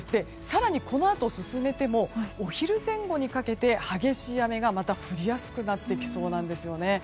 更に、このあと進めてもお昼前後にかけて激しい雨が降りやすくなってきそうなんですよね。